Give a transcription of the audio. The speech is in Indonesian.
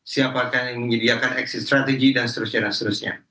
siapa yang menyediakan aksi strategi dan seterusnya